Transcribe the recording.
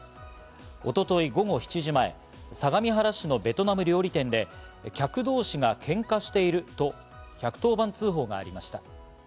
一昨日午後７時前、相模原市のベトナム料理店で客同士がけんかしていると１１０番通報がありました。